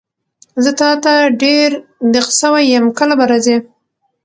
زه تاته ډېر دیغ سوی یم کله به راځي؟